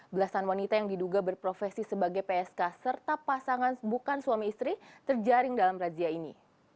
belasan wanita yang diduga berprofesi sebagai psk serta pasangan bukan suami istri terjaring dalam razia ini